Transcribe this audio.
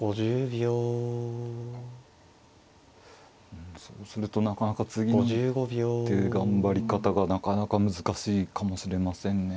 うんそうするとなかなか次の手頑張り方がなかなか難しいかもしれませんね。